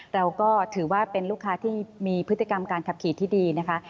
เราก็ถือว่าเป็นลูกค้าที่มีพฤติกรรมการขับขี่ที่ดีนะคะ